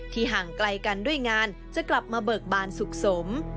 ห่างไกลกันด้วยงานจะกลับมาเบิกบานสุขสม